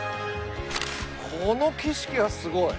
この景色はすごい。